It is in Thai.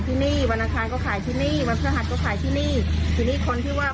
ที่นี่วันอังคารก็ขายที่นี่วันพฤหัสก็ขายที่นี่ทีนี้คนที่ว่า